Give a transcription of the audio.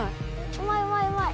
・うまいうまいうまい。